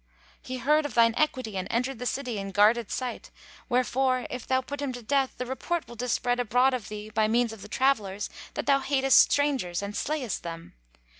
He heard of thine equity and entered thy city and guarded site;[FN#144] wherefore, if thou put him to death, the report will dispread abroad of thee, by means of the travellers, that thou hatest strangers and slayest them.